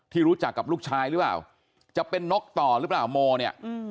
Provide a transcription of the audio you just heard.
รู้จักกับลูกชายหรือเปล่าจะเป็นนกต่อหรือเปล่าโมเนี่ย